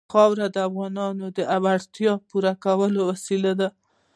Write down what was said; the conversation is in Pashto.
خاوره د افغانانو د اړتیاوو د پوره کولو وسیله ده.